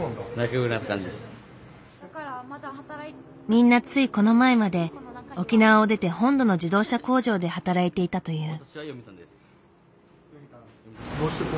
みんなついこの前まで沖縄を出て本土の自動車工場で働いていたという。